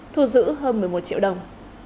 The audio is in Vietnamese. thu giữ hơn một mươi một triệu đồng